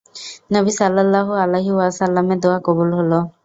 নবী সাল্লাল্লাহু আলাইহি ওয়াসাল্লামের দুআ কবুল হল।